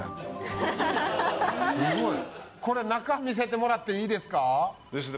すごい！これ中見せてもらっていいですか？